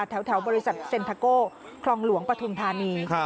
แถวบริษัทเซ็นทาโก้คลองหลวงปฐุมธานี